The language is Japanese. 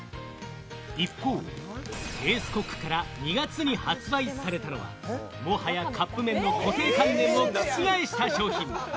一方、エースコックから２月に発売されたのは、もはやカップ麺の固定観念を覆した商品。